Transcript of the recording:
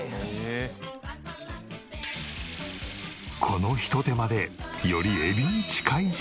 このひと手間でよりエビに近い食感に。